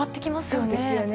そうですよね。